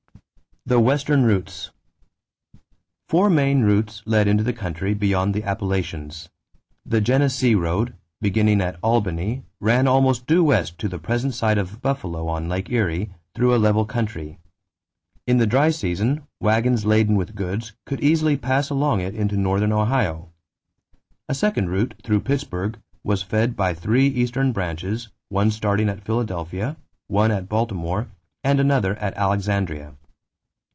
=The Western Routes.= Four main routes led into the country beyond the Appalachians. The Genesee road, beginning at Albany, ran almost due west to the present site of Buffalo on Lake Erie, through a level country. In the dry season, wagons laden with goods could easily pass along it into northern Ohio. A second route, through Pittsburgh, was fed by three eastern branches, one starting at Philadelphia, one at Baltimore, and another at Alexandria.